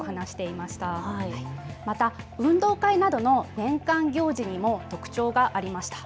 また運動会などの年間行事にも特徴がありました。